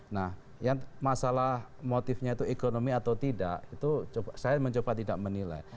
nah yang masalah motifnya itu ekonomi atau tidak itu saya mencoba tidak menilai